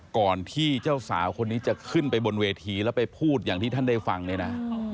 ก่อนที่เจ้าสาวคนนี้จะขึ้นไปบนเวทีแล้วไปพูดอย่างที่ท่านได้ฟังเนี่ยนะ